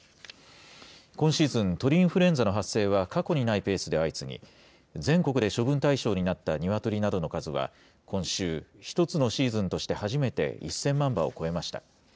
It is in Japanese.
今シーズン、鳥インフルエンザの発生は、過去にないペースで相次ぎ、全国で処分対象になったニワトリなどの数は、今週、１つのシーズンとして初めて１０００万羽を超えました。